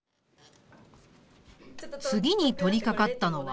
次に取りかかったのは。